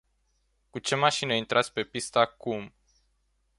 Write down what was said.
Cu ce mașină intrați pe pistă acum.